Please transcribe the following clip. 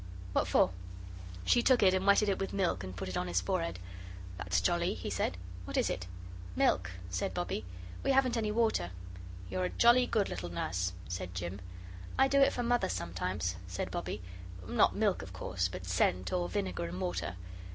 What for?" She took it and wetted it with milk and put it on his forehead. "That's jolly," he said; "what is it?" "Milk," said Bobbie. "We haven't any water " "You're a jolly good little nurse," said Jim. "I do it for Mother sometimes," said Bobbie "not milk, of course, but scent, or vinegar and water.